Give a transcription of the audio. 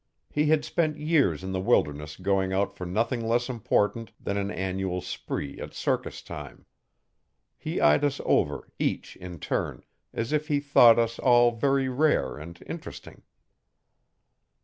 He had spent years in the wilderness going out for nothing less important than an annual spree at circus time. He eyed us over, each in turn, as if he thought us all very rare and interesting.